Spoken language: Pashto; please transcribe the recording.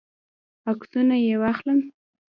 عکسونه یې واخلم.